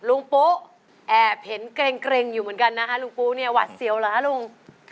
รุงปู้แอบเห็นเกร็งอยู่เหมือนกันนะคะรูปปู้เนี่ยหวาดเสียวอ่ะฮะรุง